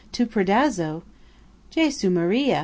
"To Predazzo! Jesu Maria!